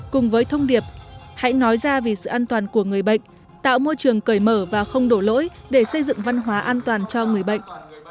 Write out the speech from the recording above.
cùng với thông điệp hãy nói ra vì sự an toàn của người bệnh tạo môi trường cởi mở và không đổ lỗi để xây dựng văn hóa an toàn cho người bệnh